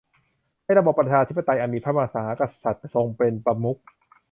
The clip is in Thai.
ในระบอบประชาธิปไตยอันมีพระมหากษัตริย์ทรงเป็นประมุข